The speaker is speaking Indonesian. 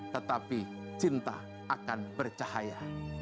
tetapi cinta akan bercahaya